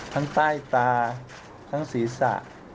ทั้งใต้ตาทั้งศีรษะ